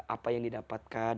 apa yang didapatkan